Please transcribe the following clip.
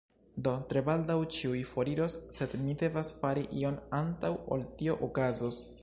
Do, tre baldaŭ ĉiuj foriros sed mi devas fari ion antaŭ ol tio okazos